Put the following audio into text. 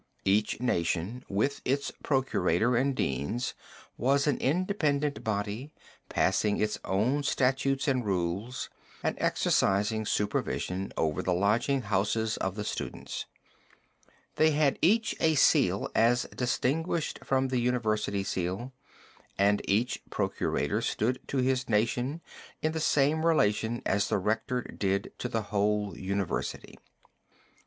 Each nation with its procurator and deans was an independent body, passing its own statutes and rules, and exercising supervision over the lodging houses of the students. They had each a seal as distinguished from the university seal, and each procurator stood to his "nation" in the same relation as the Rector did to the whole university.